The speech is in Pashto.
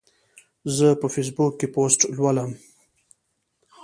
زه په فیسبوک کې پوسټ لولم.